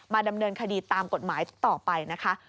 ดำเนินคดีตามกฎหมายต่อไปนะคะ